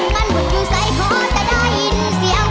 มันหมดอยู่ใส่พอจะได้ยินเสียง